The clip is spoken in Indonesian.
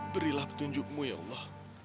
berilah petunjukmu ya allah